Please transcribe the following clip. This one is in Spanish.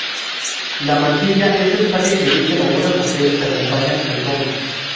La mantilla es el traje que visten algunas mujeres que acompañan al trono.